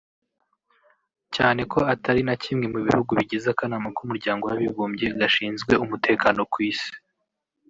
cyane ko atari na kimwe mu bihugu bigize akanama k’Umuryango w’Abibumbye gashinzwe umutekano ku isi